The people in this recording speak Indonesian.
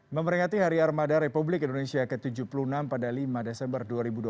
memperingati hari armada republik indonesia ke tujuh puluh enam pada lima desember dua ribu dua puluh